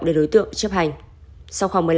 để đối tượng chấp hành sau khoảng